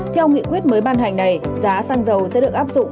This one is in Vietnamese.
theo nghị quyết mới ban hành này giá xăng dầu sẽ được áp dụng